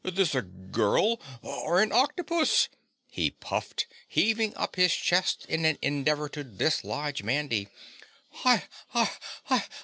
"Is it a girl or an octopus?" he puffed, heaving up his chest in an endeavor to dislodge Mandy. "Hi! Hi!